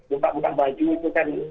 buka buka baju itu kan